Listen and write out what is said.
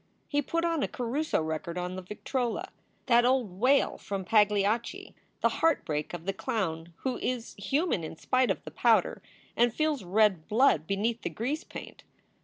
He put a Caruso record on the victrola, that old wail from "Pagliacci," the heartbreak of the clown who is human in spite of the powder, and feels red blood beneath the grease paint.